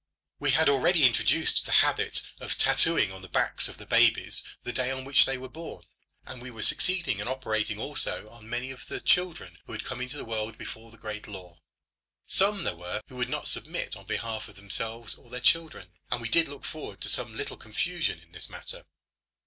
We had already introduced the habit of tattooing on the backs of the babies the day on which they were born; and we had succeeded in operating also on many of the children who had come into the world before the great law. Some there were who would not submit on behalf of themselves or their children; and we did look forward to some little confusion in this matter.